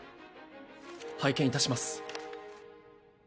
拝見いたします